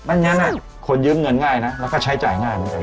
ด้านหน้าอะคนยืมเงินง่ายนะแล้วก็ใช้จ่ายง่าย